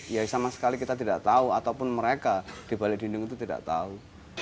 ya sama sekali kita tidak tahu ataupun mereka di balai dinding itu tidak tahu